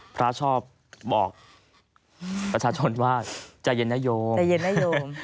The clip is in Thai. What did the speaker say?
พระชอบบอกประชาชนว่าใจเย็นนะโยม